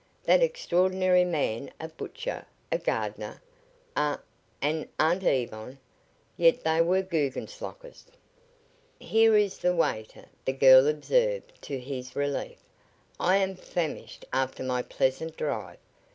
That extraordinary man a butcher, a gardener, a and Aunt Yvonne? Yet they were Guggenslockers. "Here is the waiter," the girl observed, to his relief. "I am famished after my pleasant drive.